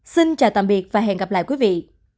xin chào tạm biệt và hẹn gặp lại quý vị